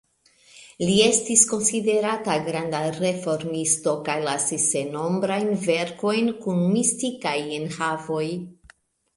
Li estis konsiderata granda reformisto kaj lasis sennombrajn verkojn kun mistikaj enhavoj.